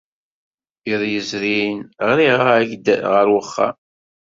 Iḍ yezrin, ɣriɣ-ak-d ɣer wexxam.